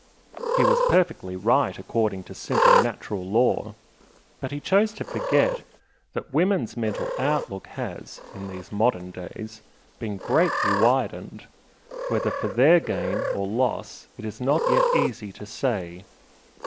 He was perfectly right according to simple natural law, but he chose to forget that women's mental outlook has, in these modern days, been greatly widened, whether for their gain or loss it is not yet easy to say.